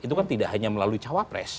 itu kan tidak hanya melalui cawapres